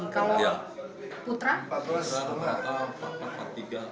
putra rata rata empat empat empat tiga